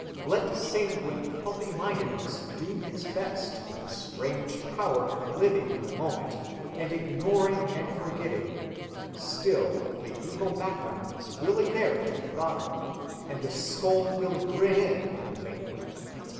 Let sanguine healthy‐mindedness do its best with its strange power of living in the moment and ignoring and forgetting, still the evil background is really there to be thought of, and the skull will grin in at the banquet.